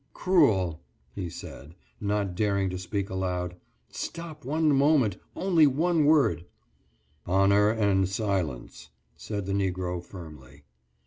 "Cruel," he said, not daring to speak aloud, "stop one moment, only one word " "Honor and silence," said the Negro firmly.